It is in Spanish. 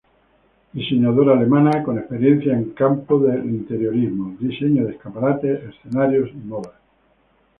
Diseñadora alemana, con experiencia en campo del interiorismo, diseño de escaparates, escenarios y moda.